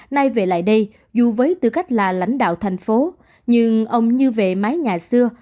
nay về lại đây dù với tư cách là lãnh đạo thành phố nhưng ông như về mái nhà xưa